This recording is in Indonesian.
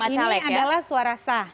ini adalah suara sah